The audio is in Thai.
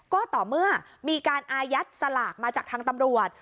ก็ต่อเมื่อมีการอายัดสลากมาจากทางตำรวจ